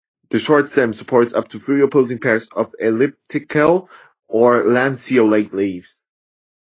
The short stem supports up to three opposing pairs of elliptical or lanceolate leaves.